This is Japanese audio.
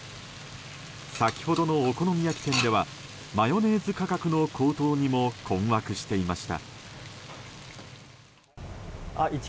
先ほどのお好み焼き店ではマヨネーズ価格の高騰にも困惑していました。